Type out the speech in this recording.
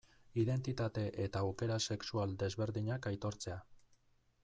Identitate eta aukera sexual desberdinak aitortzea.